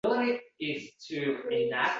bir toifa insonlarning hadikiga sabab bo‘lyapti?!